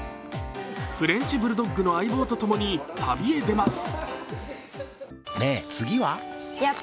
フレンチブルドッグの相棒とともに度へ出ます。